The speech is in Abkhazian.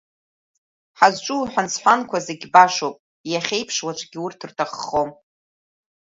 Ҳазҿу уҳәан-сҳәанқәа зегь башоуп, иахьеиԥш, уаҵәгьы урҭ рҭаххом.